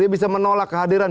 dia bisa menolak kehadiran